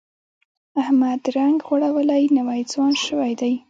احمد رنګ غوړولی، نوی ځوان شوی دی.